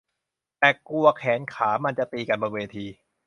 แต่กลัวแขนขามันจะตีกันบนเวที